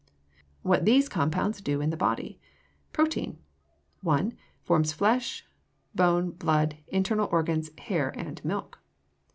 WHAT THESE COMPOUNDS DO IN THE BODY Protein 1. Forms flesh, bone, blood, internal organs, hair, and milk.